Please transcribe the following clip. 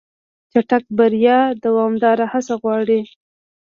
چټک بریا دوامداره هڅه غواړي.